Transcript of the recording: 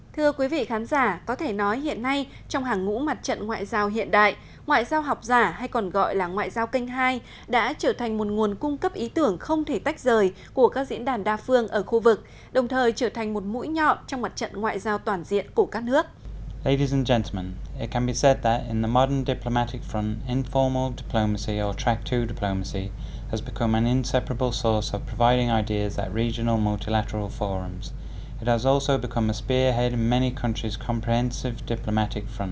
thưa quý vị khán giả có thể nói hiện nay trong hàng ngũ mặt trận ngoại giao hiện đại ngoại giao học giả hay còn gọi là ngoại giao kênh hai đã trở thành một nguồn cung cấp ý tưởng không thể tách rời của các diễn đàn đa phương ở khu vực đồng thời trở thành một mũi nhọn trong mặt trận ngoại giao toàn diện của các nước